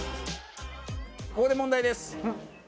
ここで問題です。